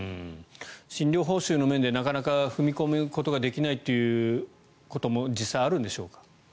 診療報酬の面でなかなか踏み込むことができないということも実際にあるんでしょうか？